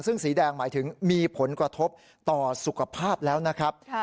ซึ่งสีแดงหมายถึงมีผลกระทบต่อสุขภาพแล้วนะครับ